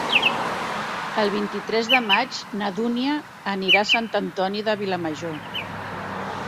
El vint-i-tres de maig na Dúnia anirà a Sant Antoni de Vilamajor.